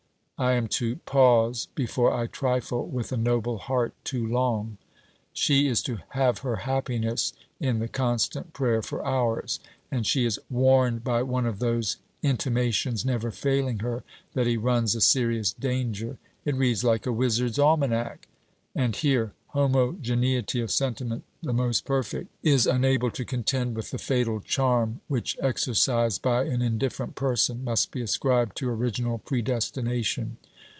I am to "Pause before I trifle with a noble heart too long." She is to "have her happiness in the constant prayer for ours"; and she is "warned by one of those intimations never failing her, that he runs a serious danger." It reads like a Wizard's Almanack. And here "Homogeneity of sentiment the most perfect, is unable to contend with the fatal charm, which exercised by an indifferent person, must be ascribed to original predestination."